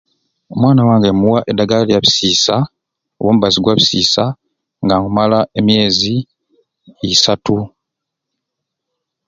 Omwana wange muwa edagala lya bisisa oba omubazi gwa bisisa nga nkumala emyeezi isaatu.